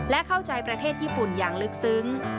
และเข้าใจประเทศญี่ปุ่นอย่างลึกซึ้ง